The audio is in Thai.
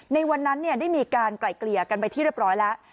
ในวันนั้นได้มีการไกล่เกลี่ยกันไปที่เรียบร้อยแล้ว